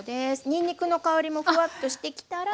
にんにくの香りもふわっとしてきたら。